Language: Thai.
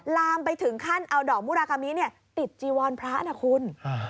ลามไปถึงขั้นเอาดอกมุรากามิติดจีวรพระนะคุณ